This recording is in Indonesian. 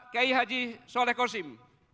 k i h soleh korsim